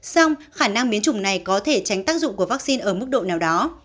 xong khả năng biến chủng này có thể tránh tác dụng của vaccine ở mức độ nào đó